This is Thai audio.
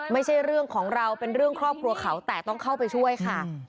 ไม่ใช่เรื่องของเราเป็นเรื่องครอบครัวเขาแต่ต้องเข้าไปช่วยค่ะ